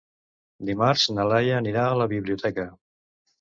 Dimarts na Laia anirà a la biblioteca.